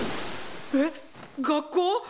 えっ学校！？